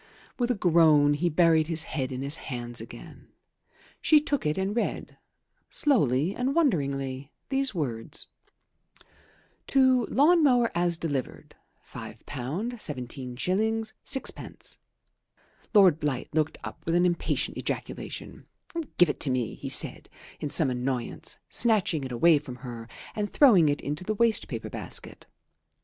With a groan he buried his head in his hands again. She took it and read, slowly and wonderingly, these words: "To lawn mower as delivered, £5 17s. 6d." Lord Blight looked up with an impatient ejaculation "Give it to me," he said in some annoyance, snatching it away from her and throwing it into the waste paper basket.